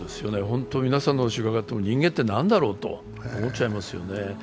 皆さんの話伺っても人間ってなんだろうって思っちゃいますよね。